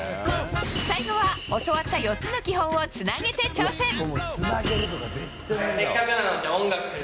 最後は、教わった４つの基本をつなげて挑戦。